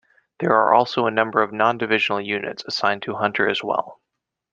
There are also a number of non-divisional units assigned to Hunter as well.